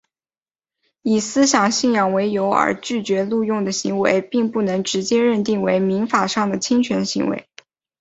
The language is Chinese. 以思想信仰为理由而拒绝录用的行为并不能直接认定为民法上的侵权行为。